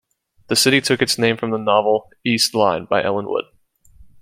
The city took its name from the novel "East Lynne" by Ellen Wood.